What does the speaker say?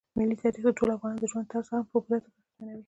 ملي تاریخ د ټولو افغانانو د ژوند طرز هم په پوره توګه اغېزمنوي.